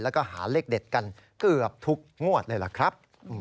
แล้วก็หาเลขเด็ดกันเกือบทุกงวดเลยล่ะครับ